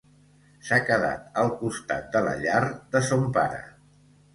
S'ha quedat al costat de la llar de son pare